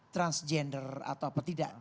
transgender atau apa tidak